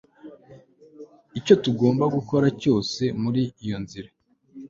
icyo tugomba gukora cyose muri iyo nzira